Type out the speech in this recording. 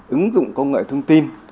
ứng dụng công nghệ thông tin